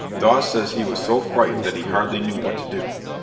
Dawes says he was so frightened that he hardly knew what to do.